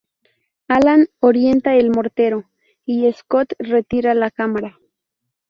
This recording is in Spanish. Alan orienta el mortero y Scott retira la cámara.